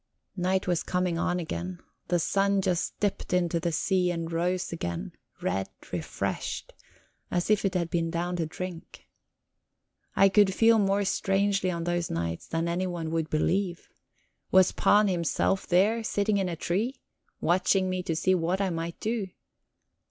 Night was coming on again; the sun just dipped into the sea and rose again, red, refreshed, as if it had been down to drink. I could feel more strangely on those nights than anyone would believe. Was Pan himself there, sitting in a tree, watching me to see what I might do?